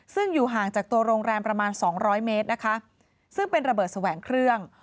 ซึ่งอยู่ห่างจากตัวโรงแรมประมาณสองร้อยเมตรนะคะซึ่งเป็นระเบิดแสวงเครื่อง